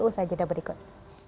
usaha jeda berikut